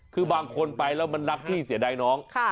คือบางคนไปแล้วมันรักพี่เสียดายน้อง